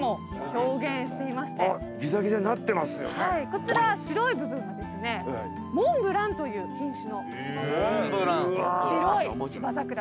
こちら白い部分がですねモンブランという品種の白い芝桜です。